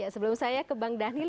sebelum saya ke bang daniel